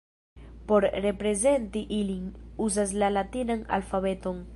Por reprezenti ilin, uzas la latinan alfabeton.